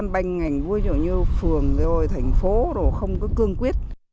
banh ngành phường thành phố không cương quyết